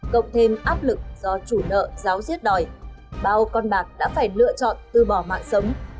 cộng thêm áp lực do chủ nợ giáo diết đòi bao con bạc đã phải lựa chọn từ bỏ mạng sống